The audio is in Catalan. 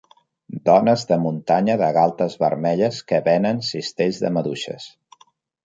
Dones de muntanya de galtes vermelles que venen cistells de maduixes.